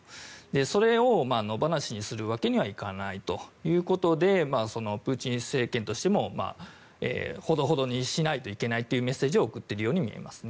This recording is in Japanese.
それを野放しにするわけにはいかないということでプーチン政権としてもほどほどにしないといけないというメッセージを送っているように見えますね。